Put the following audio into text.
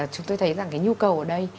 chúng tôi thấy rằng cái nhu cầu ở đây